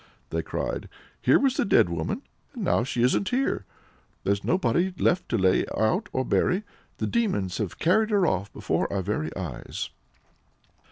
they cried. "Here was the dead woman, and now she isn't here. There's nobody left to lay out or to bury. The demons have carried her off before our very eyes!"